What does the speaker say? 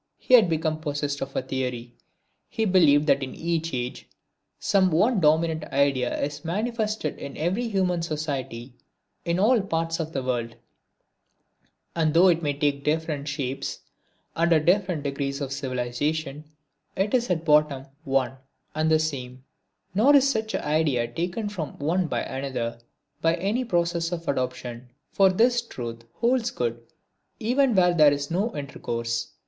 He had become possessed of a theory. He believed that in each age some one dominant idea is manifested in every human society in all parts of the world; and though it may take different shapes under different degrees of civilisation, it is at bottom one and the same; nor is such idea taken from one by another by any process of adoption, for this truth holds good even where there is no intercourse.